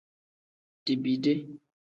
Dibide.